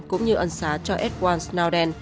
cũng như ẩn xá cho edwin snowden